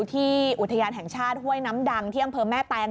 ที่อุทยานแห่งชาติห้วยน้ำดังที่อำเภอแม่แตง